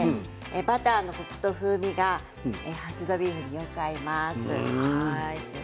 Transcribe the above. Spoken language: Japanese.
バターのコクと風味がハッシュドビーフによく合います。